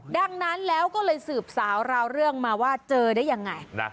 ดังนั้นแล้วก็เลยสืบสาวราวเรื่องมาว่าเจอได้ยังไง